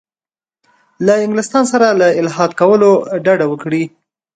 له انګلستان سره له اتحاد کولو ډډه وکړي.